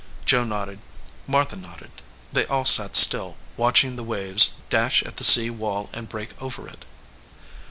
Joe nodded. Martha nodded. They all sat still, watching the waves dash at the sea wall and break over it.